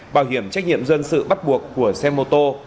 bảo hiểm trách nhiệm dân sự bắt buộc của xe mô tô